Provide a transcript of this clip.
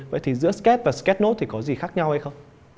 vậy thì giữa sketch và sketch note thì có gì khác nhau hay không